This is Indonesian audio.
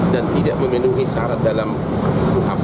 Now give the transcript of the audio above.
dan tidak memenuhi syarat dalam hal hal